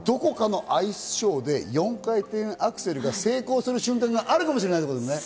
どこかのアイスショーで４回転アクセルが成功する瞬間があるかもしれないということですね。